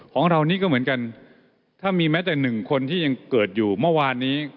ของเรานี่ก็เหมือนกันถ้ามีแม้แต่หนึ่งคนที่ยังเกิดอยู่เมื่อวานนี้